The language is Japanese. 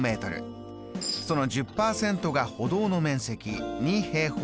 その１０％が歩道の面積２。